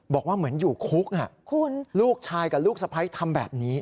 บอกว่าเหมือนอยู่คุกลูกชายกับลูกสะพ้ายทำแบบนี้